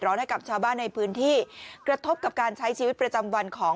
ให้กับชาวบ้านในพื้นที่กระทบกับการใช้ชีวิตประจำวันของ